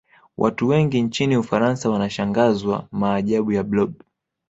Watu wengi nchini ufaransa wanashangazwa maajabu ya blob